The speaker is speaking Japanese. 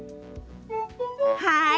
はい。